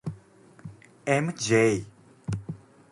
M. J.